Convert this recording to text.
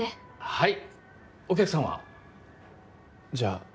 はい。